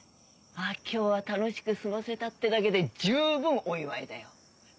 ああ今日は楽しく過ごせたってだけで十分お祝いだよ。